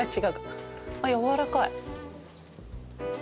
あっやわらかい。